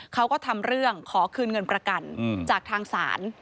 เขาก็ทำเรื่องขอคืนเงินประกันจากทางศาล